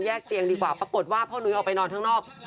เตียงดีกว่าปรากฏว่าพ่อนุ้ยออกไปนอนข้างนอก